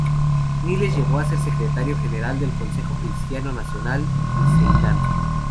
Niles llegó a ser secretario general del Consejo Cristiano Nacional de Ceilán.